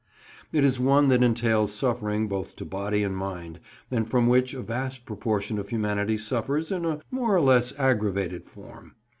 It is one that entails suffering both to body and mind, and from which a vast proportion of humanity suffers in a more or less aggravated form.